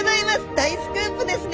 大スクープですね！